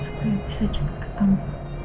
supaya bisa jemput ketemu